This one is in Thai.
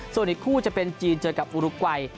ส่วนอีกคู่จะเป็นจีนเจอกับอุรุกวัย